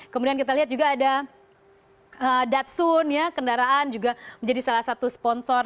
kemudian kita lihat juga ada datsun kendaraan juga menjadi salah satu sponsor